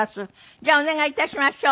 じゃあお願い致しましょう。